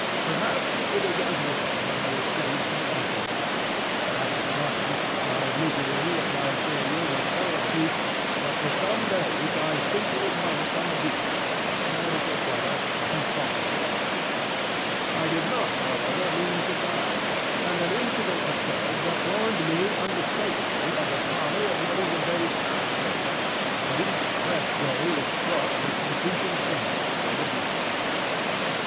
Perhaps it is as well that I was saved from launching it; but at the time my misery at my failure was so acute that for some days I simply moped on the beach, and stared at the water and thought of death. I did not, however, mean to die, and an incident occurred that warned me unmistakably of the folly of letting the days pass so,—for each fresh day was fraught with increasing danger from the Beast People.